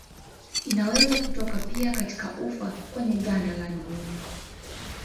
Inaweza kutoka pia katika ufa kwenye ganda la dunia.